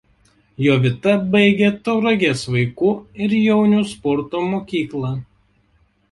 Jovita baigė Tauragės vaikų ir jaunių sporto mokyklą.